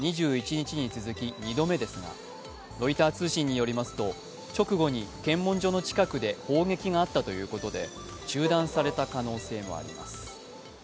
ロイター通信によりますと直後に検問所の近くで砲撃があったということで中断された可能性もあります。